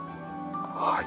はい。